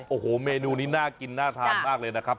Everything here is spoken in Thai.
โอ้โหเมนูนี้น่ากินน่าทานมากเลยนะครับ